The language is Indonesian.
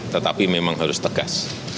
tetapi memang harus tegas